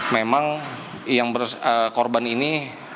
memang yang berkorban ini